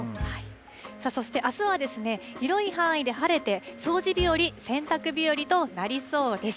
そしてあすはですね、広い範囲で晴れて、掃除日和、洗濯日和となりそうです。